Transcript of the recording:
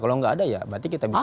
kalau nggak ada ya berarti kita bisa